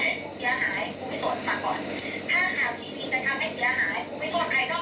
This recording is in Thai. แต่ถ้านักข่าวส่วนกลางลงคุณจะบอกว่าทีเตรียมว่าคุณไม่เขียว